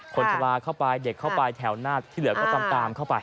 คนชะลาเข้าไปเด็กเข้าไปแถวหน้าที่เหลือก็ตามเข้าไป